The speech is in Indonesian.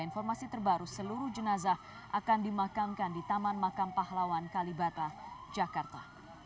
informasi terbaru seluruh jenazah akan dimakamkan di taman makam pahlawan kalibata jakarta